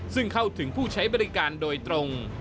ซึ่งเข้าถึงผู้ใช้บริการโดยตรง